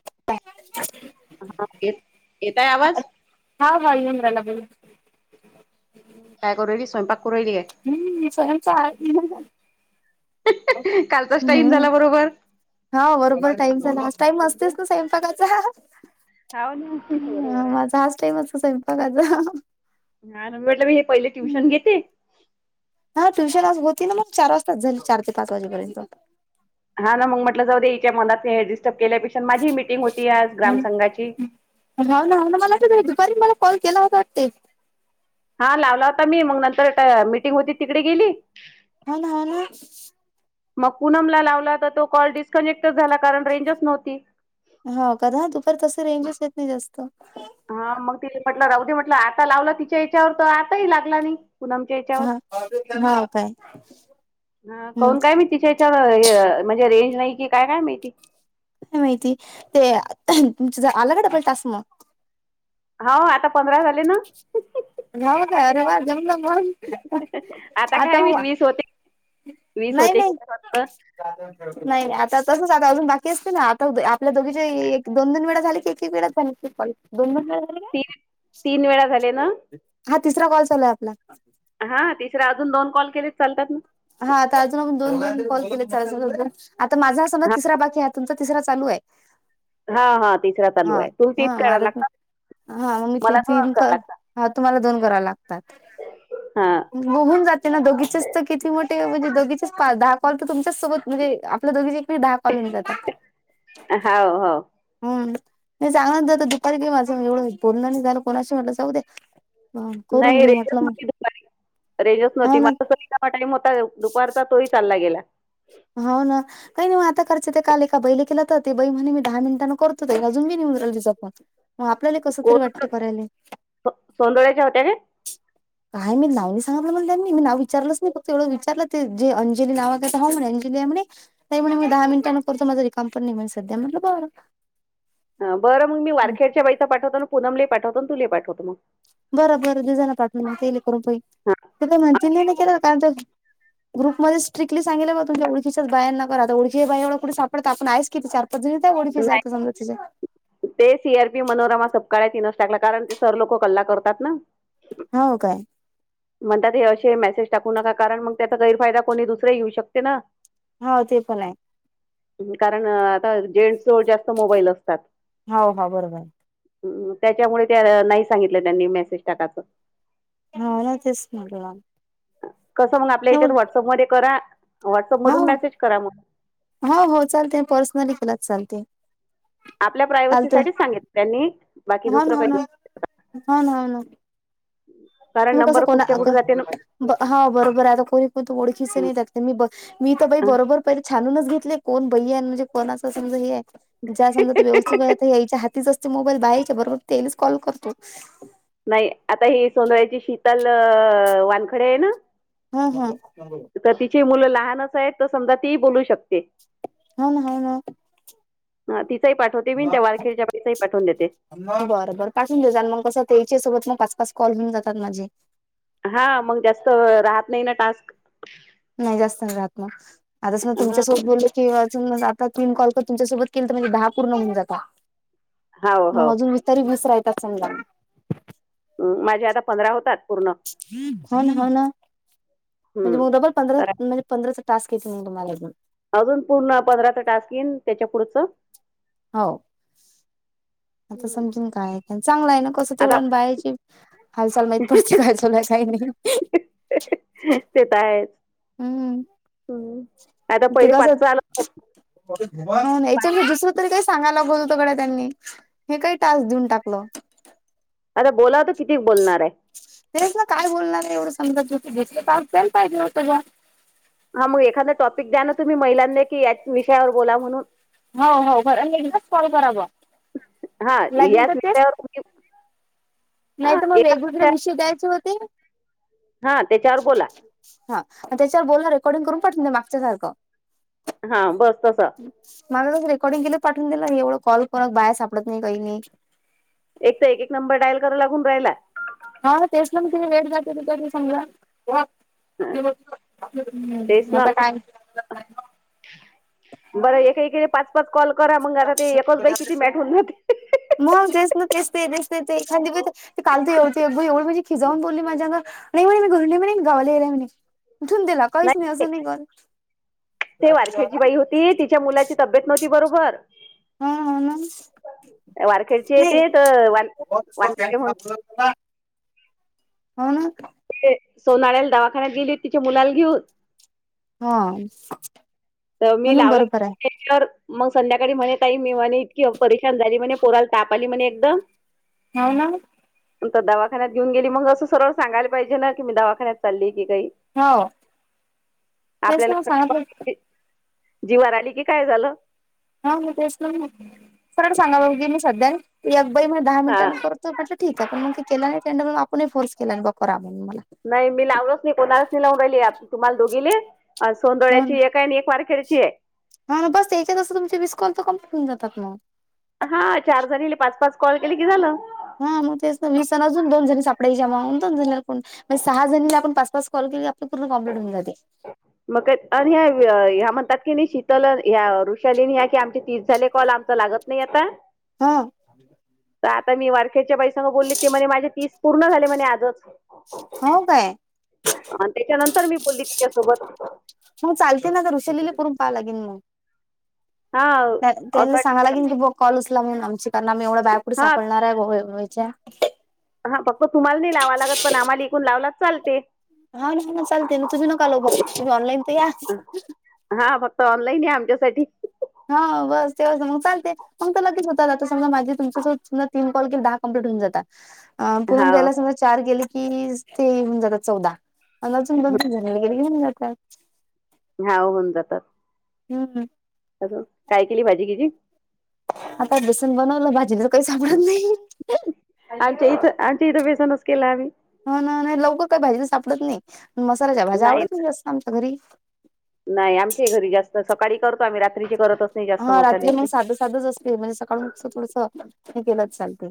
[inaudible] हा येत येताय आवाज? हा हा येऊन रालागले. काय करु राहिली? स्वयंपाक करू राहिली काय? हम्म स्वयंपाक. काय कालचाच टाइम हम्म. झाला बरोबर हा्व बरोबर टाईम झाला आज. टाईम असतेच ना स्वयंपाकाचा माझा हाच टाईम अस स्वयंपाकाचा नाही म्हटलं मी हे पहिले ट्युशन घेते हा ट्युशन आज होती ना मग चार वाजताच झाली चार ते पाच वाजेपर्यंत हा ना मग म्हटलं जाऊ दे्या याच्या मनात डिस्टर्ब केल्यापेक्षा माझी मीटिंग होती आज ग्रामसंघाची हो ना ना मला अस दुपारी मला कॉल केला असं वाटते हा लावला होता मी मग नंतर मीटिंग होती तिकडे गेली होना, होना मग पूनमला लावला तर तो कॉल डिस्कनेक्टच झाला कारण रेंजच नव्हती हो कदा दुपार तस रेंजच येत नाही जास्त हा मग तिला म्हटलं रावदे म्हटलं आता लावलं तिच्या याच्यावर तर आताही लागला नाही पुनम च्यावर हा हाव काय ह हम्म कन काय मी तिच्या च्य ह म्हणजे रेंज नाही की काय, काय माहिती? का माहिती ते तुमच ज आला का डबल टास्क मग हाव आता पंधरा झाले ना नाव काय अरे वा जमला म आता काय मी आतावा वीस होत वीस होते [unintelligible] नंतर [unintelligible] नाही आता तसच आता अजून बाकी असते ना आता आपल्या दोघीचे एक दोन, दोन वेळा झाली की एक, एक वेळाच झालेत कॉल [unintelligible] तीन, तीन वेळा झाले ना हा तिसरा कॉल चालूय आपला हा तिसर अजून दोन कॉल केलेत चालतात ना हा तर अजूनण दोन म कॉल केले अ आता माझास समजा हा तिसरा बाकी हा तुमचा तिसरा चालू आहे हा, हा तिसरा चालू हा आहे तो तेच हा करा माझा लागतात हा मग मी ते मला दोनच तीन करावं कर लागतात हा तुम्हाला दोन कराव लागतात हा हो हून जाते ना दोघीचेच तर किती मोठे म्हणजे दोघीचेच दहा कॉल तर तुमच्याच सोबत म्हणजे आपल्या दोघीचे एक दहा कॉल होऊन जातात हाव, हाव हम नाही चांगला जात दुपारी बि माझं एवढं बोलण नाही झालं कोणाशी म्हटलं जाऊ दे करून नाही घेऊ रेंजच म्हटलं नव्हती दुपारी रेंजस नव्हती हो ना मला ते हा [unintelligible] होता दुपारचा तोही चालला गेला हाव ना काही नाहीग आता करायं ते काल एका बैले केला तर ते बै म्हणे मी दहा मिनिटांं करतो ताई अजून नाही येऊ राहिला तिचा फोन मग आपल्याला कस तरी कोण वाटते करायले सो- सोंदळ्याच्या होत्या काय काय मी नावनी सांगितलं म्हण त्यांनी मी नाव विचारलंच नाही फत एवढं विचारलं ते जे अंजली नाव काय हो म्हणे अंजली ती म्हणे ताई मी दहा मिनट करतो माझ रिकमप सध्या म्हण बर बर मी वारखेडच्या बाईचा पाठवतो पूननमले पाठवतो आणि तुले पाठवतो मग बरं, बरं दुजना पाठ मग तेले करून हा पहित म्हण नाही केलं कारण [unintelligible] ग्रुपमध्ये स्ट्रिक्टली सांगेलं ब तुमच्या ओळखीच्याच बायांना करा ओळख बा एवढ कुठे सापडत आपण आहेच किती चार पाच त्या ओळखीच्या नाही सात समजा तिच्यात ते सी आर पी मनोरमा सपकाळ्यात तिनस टाकला कारण ते सर लोक कल्ला करतात ना हावो काय? म्हणतात हे असे मेसेज टाकू नका, कारण मग त्याचा गैरफायदा कोणी दुसरा घेऊ शकते ना. हा ते पण आहे. कारण आता जेंट्स जवळ जास्त मोबाईल असतात. हो हा बरोबर. त्याच्यामुळे त्या नाही सांगितलं त्यांनी मेसेज टाकाचं. हा ना तेस [unintelligible] कसं मग आपल्या याच्यात व्हॉट्सअप मध्ये करा, व्हॉट्सअप हा मधून मेसेज करा मग. हो, हो चालते पर्सनली केलात चालते. आपल्या प्रायवसीसाठीच सांगित त्यांनी. बाकी दुसरं काही होना, नाही. होना. कारण म कसं नंबर कोणा कुठच्या कुठे आता जाते ना ब हा बरोबर आहे आता कोणी पण त ओडखीच नही त्यात मी ब मी तर बई हं. बरोबर पहिजे छानूनच घेतले कोण बई आहे, न म्हणजे कोण असं समजा हे आहे. ज्या समजा त व्यवस्थित वयात यायच्या हातीच असतो, मोबाईल बा यायच्या बरोबर त्यानीच कॉल करतो. नाही आता ही सोंदळ्याची शीतल अ वानखडे हे ना. हं हं! त तिची मुलं लहानच, आहेत त समजा ती बोलू शकते. हं हा ना. ह तिचही पाठवते मीन त्या वारखेडच्या बाईचही पाठवून देते. बरं बर पासून देजा न मंग कसं त्या ईचे सोबत मग पाच, पाच कॉल होऊन जातात माझे. हा मग जास्त राहत नाही ना टास्क. नाही जास्त नाही राहत म आता स ह तुमच्यासोबत बोले. की वाजून आता तीन कॉल कर तुमच्यासोबत केल त माझे बई दहा पूर्ण होऊन जातात. हो हो मग अजून विस [unintelligible] ऊ माझे आता पंधरा होतात पूर्ण. होन, होन म्हणजे हम्म म डबल पंधरा तर म्हणजे पंधराच टास्क [unintelligible] तुम्हालाजून अजून पूर्ण पंधराचा टास्क येईन त्याच्या पुढचं. हो आता हम्म. समजेन काय आहे ते चांगलं आहे ना कसं आता तेवढन बाये ची हालचाल माहित पडती कायचालू आहे काही नही. ते त आहेच. हूं हम्म. आता ते पहिले कासत. पाचचं आलं होतं. होन याच्यामद दुसरं तरी काही सांगाय लागोलत गड्या त्यांनी. हे काही टास्क देऊन टाकलं. आता बोलाव त किती बोलणार आहे. तेच ना काय बोलणार आहे एवढं समजा ज्योती घेतली पास द्याल पाहिजे होतं ना. हा मग एखादा टॉपिक द्या न तुम्ही महिलांले की याच विषयावर बोला म्हणून. हो हो खरं णी एकदाच कॉल करावा हा लागिन याच त तेंच [inaudible] नाही त मग एका वेगवेगळे विषया विषय द्यायचे होते. हा त्याच्यावर बोला. हा त्याच्यावर बोलन रेकॉर्डिंग करून पाठवून द्या मागच्या सारखं. हा बस तस. माग कस रेकॉर्डिंग केलं पाठवून दिलं, एवढं कॉल कोनच बाया सापडत नाही कही नाही. एक त एक एक नंबर डायल करा लागून राहिला. हा, तेच ना. म ते. वेट जाते तिथं त समजा. वा हा, [unintelligible] तेच हम्म. ना आता काय? [unintelligible] बरं, एक एकी पाच- पाच कॉल करा. मग आता ते एकच बाई, किती मॅट होऊन जाती. मग, तेच ना. तेच ते. तेच ते. ते एखादि बाई, ते काल त एवढ एक बाई एवढ म्हजी खिजऊन बोलली माझ्या अंगावर. नाही म्हणे मी, घरी नाही म्हणे. मी गावाला यायलेय म्हणे. ठेवून दिला. काहीच नाही. असं नाही कर ती तिच्या मुलाची तब्येत नव्हती बरोबर. ह. मग. वारखेडची नाही. येते तर वा वानखेडे म्हणून [unintelligible] हो, न. ते सोनाऱ्याला दवाखान्यात गेली होती. तिच्या मुलाला घेऊन. हा. तव मी म्हणून बरोबर आहे. लावला [unintelligible] तर मग संध्याकाळी म्हणे, ताई मी म्हणे, इतकी परेशान झाली म्हणे. पोराला ताप आली म्हणे, एकदम. [inaudible] हो, ना. तर दवाखान्यात घेऊन गेली. मग असं, सरळ सांगायला पाहिजे ना की, मी दवाखान्यात चालली की काही. हो. [unintelligible] जीवार आली की, काय झालं. हा म तेच ना. सरळ सांगाव की, मी सध्या. एक बाई म दहा हा मिनटान करत. त म्हटलं ठीकय. पण मग ती केला नाही. त्यांड मग आपणही फोर्स केला नाही. [unintelligible] मला. नाही, मी लावलोच नाही. कोणालाच नाही लावून राहिली आता. तुम्हाला दोघीले. सोनदोळ्याची एक काय नाही एक वारकरीचीय. ह बस, ते एककास तुमची वीस कॉल तर, कम्प्लीट होऊन जातात मग. हा, चार जनिले, पाच- पाच कॉल केले की, झालं. हा, मग तेच तर. वीस न अजून दोन जनी सापडायच्या मग. दोन जनीला फोन म सहा जणीला आपण पाच - पाच कॉल केल की, आपल पूर्ण कॉम्प्लीट होऊ जाते. मग काय अन् ह्या, आ ह्या म्हणतात की नाही शीतल ह्या, ऋषालीनी ह्या की, आमचे तीस झाले कॉल. आमच लागत नाही, आता. ह. तर आता मी वारखेच्या बाईसंग बोलली. ते म्हणे, माझे तीस पूर्ण झाले म्हणे, आजच. हो, काय? अन् त्याच्यानंतर मी बोलली, तिच्यासोबत. ह चालते ना गं. वृषालीला करून पाहा लागेल मग. हा त्या - त्यांनली असं सांगा लागेल की, ब कॉल उचला म्हणून आमची. कारण आम्ही एवढा बाया कुठं हा सापडणारय. [unintelligible] वयच्या. हा, फक्त तुम्हाला नाही लावा लागत. पण आम्हाला इकून लावला चालते. हा, ना. चालते ना. तुमी नका लावू. तुमी ऑनलाईन त या. हा, फक्त ऑनलाईन या, आमच्यासाठी. हा, बस. तेवच मग चालते. मग तर लगच होतात. आता समजा माझ तुमच्यासोबत समजा, तीन कॉल केले. दहा कम्लीट होऊन जातात. अ पुनम हा ताईला समजा चार गेले की, ते होऊन जातात चौदा. [unintelligible] ह्या, होऊन जातात. हम्. अस, काय केली भाजी किजी? आता बेसन बनवलं, भाजी तर काही सापडत नाही. आमच्या इथं आणंटीन इथं बेसनच केला आम्ही. ह ना, नाही लवकर काही भाजी तर सापडत नाही, मसाल्याच्या भाजी आवडत नाही जास्त आमच्या घरी. नाही, आमच्या घरी जास्त सकाळी करतो, आम्ही रात्रीची करतच नाही जास्त मसाल्याची. असच असते म्हणजे सकाळ मु [unintelligible] थोडस हे केलंच चालते.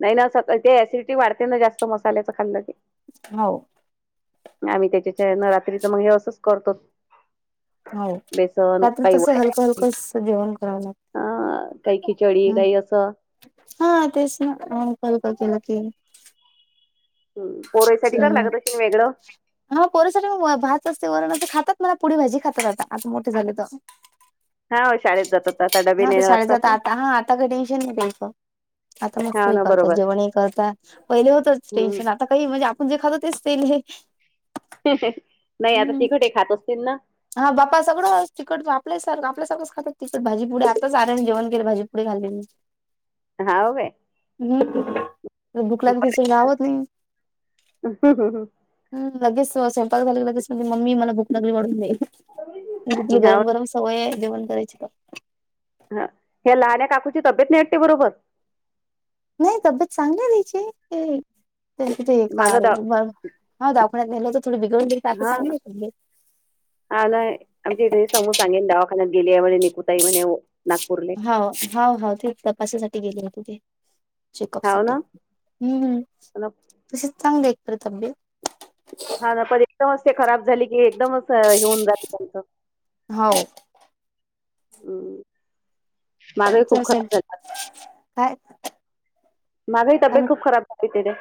नाही ना, ते अँसिडिटी वाढते ना जास्त मसाल्याचं खाल्लं कि. हो. आम्ही त्याच्या नवरात्रीचं मग हे असंच करतो. हो, बेसन रात्री काही तस हलकं, हलकं जेवण कराव लाग- अ काही खिचडी काही असं. हा तेच ना, कल केला क- [unintelligible] ह, पोरसाठी करते हम्म. ना तशीने वेगळं. हा, पोर सगळी भात असते, वरण असते, खातात मला पुरि भाजी खातात आता, आता मोठे झाले तर. हा, हो शाळेत जा- हा, तर शाळेत जात, आता हा आता काही टेन्शन नाही त्यांचं. आता मस्त हा हे ना करतात, बरोबर जेवण हे करताात, पहिले होतच टेन्शन- हम्म आता काही म्हणजे आपण जे खातो तेच ते हे- नाही, आता ते हम्म घरी खात असतील ना? हा, बापा सगळं तिकट आपले सारख आप सगळच खात, तिकट भाजी, पुढे आताच आरेने जेण केले भाजी. कपडे [unintelligible] हाव होय. हम्, भुकला लागली तसं राहवत नाही. हम, लगेच स्वयंपाक झाले लगेच म्हणजे मम्मी मला भूक लागली वाढून दे, हाव गरम, गरम- होय जेवण करायची का? हं. ह्या लाड्या काकूची तब्येत नाही वाटते बरोबर. नाही तब्येत चांगलं तेची ते- त्याच ते मागं काय दा ब हा दाखवण्यात नाहीेलं तर, थोड बिघडून गे सांगलं- हा ना, आमच्या इथे समूह सांगेन दावाखान्यात गेली आहे म्हणे, निकूताई म्हणे, नागपूरले. हो, हाव, हाव, तेच हं. कशासाठी गेले तु ते चेकअप हाव साठी. ना हम्म. अन- तशी चांगली आहे एकतर तब्येत. हा ना, पण [unintelligible] एकदमच ते खराब झाली की, एकदमच येऊन झाली त्यांंत. हाव. [inaudible] खूप असल. खराब झाली काय? माझाही काय तब्येत म्हण खूप खराब झाली तिथे.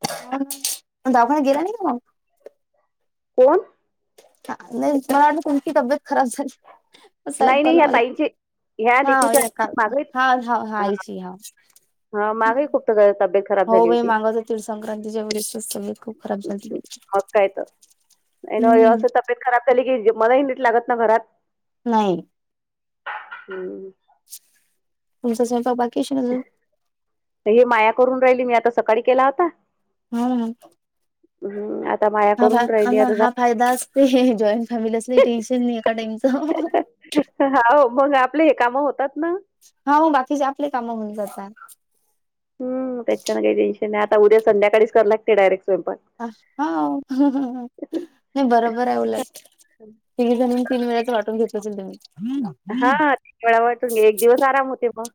[unintelligible] दवाखान्यात गेला नाही मग? कोण? नाही मला [unintelligible] वा तुमची तब्येत खराब झाली. अस, नाही ऐकू नाही आल ह्या मला. ताईंची ह्या निकूच्या हाका [unintelligible] मागही हा हयची हाव हा मागे खूप तब्येत - हो भाई, मागाच तीळ संंक्रांतीच्या वेळेस तब्येत खूप खराब झाली. एन व्यवस्थ तबयेत खराब झाली की मला निट लागत ना घरात. [unintelligible] नाही. [unintelligible] तुमचा स्वयंपाक बाकीश आसन अजून हे माया करून राहिली मी आता सकाळी केला होता हम् हम्म आता माय हा फाय ना हा फायदा असते जॉईंट फॅमिली असली टेन्शन नाही एका टाईमचं हाव मग आपले हे कामं होतात ना हा हो बाकीचे आपले काम हून जातात हम त्याच्यां काही टेनशन नाही आता उद्या संध्याकाळीच लागते डायरेक्ट स्वयंपाक हाव नाही बरोबर आहे उलट तिघ जणणी तीन वेळाच वाटून घेतलं असल त्यांनी हा तीन वेळा वाटून घे एक दिवस आराम होते मग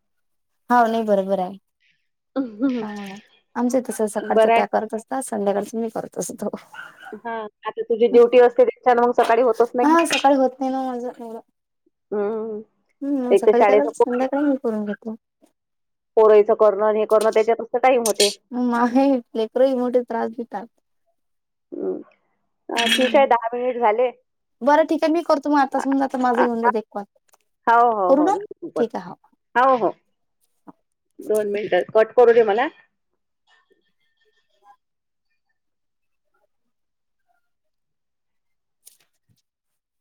हा नाही बरोबर आहे आमच तस सकाळच बरं त्या आहे करत असत ह संध्याकाळच मी करत असतो हा आता तुझी ड्युटी असते त्याच्यानं मग सकाळी होतच नाही ना. हा सकाळी होत नाही ना माज हम्म हम् एक तर सकाळी त्या शाळेचं संध्याकाळी मी करून घेतो पोरयचं करणं आणि हे करणं त्याच्यातसं तर टाइम होते म आहे लेकर ही मोठ त्रास देतात हम अ ठीक आहे दहा मिनिट झाले बरं ठीक आहे मी करतो मग आताच होऊन जात माझं होऊन जात एक कॉल हाव हो, करू हो, ना हो बर ठीक आहे हो. हाव हो दोन मिनिट कट करू दे मला